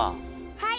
はい。